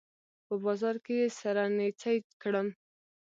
په بازار کې يې سره نيڅۍ کړم